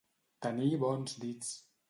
Tenir bons dits.